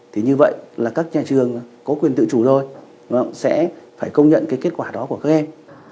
thì như vậy là các nhà trường có quyền tự chủ thôi sẽ phải công nhận cái kết quả đó của các em